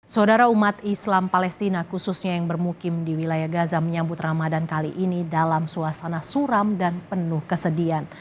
saudara umat islam palestina khususnya yang bermukim di wilayah gaza menyambut ramadan kali ini dalam suasana suram dan penuh kesedihan